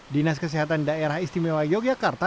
dinas kesehatan daerah istimewa yogyakarta